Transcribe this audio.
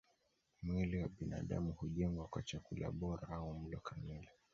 Mwili wa binadamu hujengwa kwa chakula bora au mlo kamili